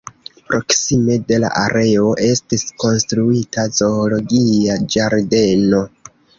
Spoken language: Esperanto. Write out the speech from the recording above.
Proksime de la areo estis konstruita zoologia ĝardeno.